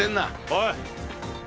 おい！